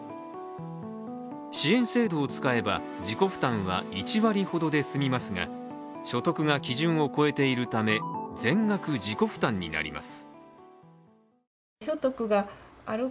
支援制度を使えば自己負担は１割ほどで済みますが、所得が基準を超えているため全額自己負担になります。